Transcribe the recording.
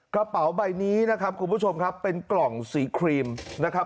กระเป๋าใบนี้นะครับคุณผู้ชมครับเป็นกล่องสีครีมนะครับ